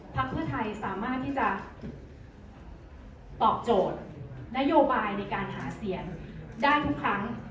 เพื่อไทยสามารถที่จะตอบโจทย์นโยบายในการหาเสียงได้ทุกครั้ง